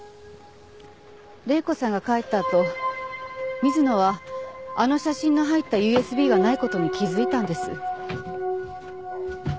礼子さんが帰ったあと水野はあの写真の入ったＵＳＢがない事に気づいたんです。